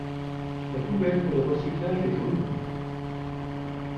La poubelle pour le recyclage est jaune.